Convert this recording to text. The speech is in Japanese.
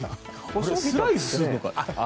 スライスするのかな。